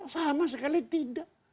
sama sekali tidak